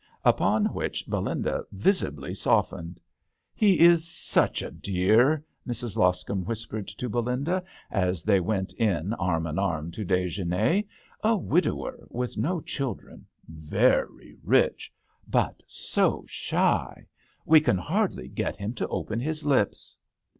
Upon which Belinda visibly softened. "He is such a dear," Mrs. Loscombe whispered to Belinda, as they went in arm and arm to dejeHner. *' A widower with no children ; very rich ; but so shy ; we can hardly get him to open his lips."